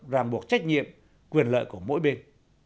ràm buộc trách nhiệm quyền lợi của mỗi bên